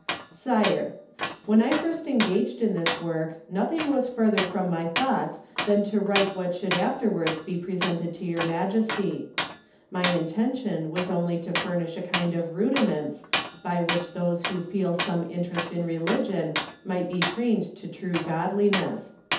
Sire: When I first engaged in this work, nothing was further from my thoughts than to write what should afterwards be presented to your Majesty. My intention was only to furnish a kind of rudiments, by which those who feel some interest in religion might be trained to true godliness.